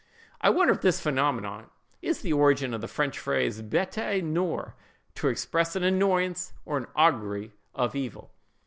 I wonder if this phenomenon is the origin of the French phrase "bête noir," to express an annoyance, or an augury of evil?